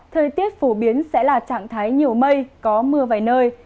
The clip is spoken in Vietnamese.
thời tiết phổ biến sẽ là trạng thái nhiều mây có mưa vài nơi